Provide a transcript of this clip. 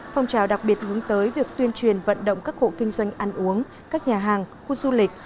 phong trào đặc biệt hướng tới việc tuyên truyền vận động các hộ kinh doanh ăn uống các nhà hàng khu du lịch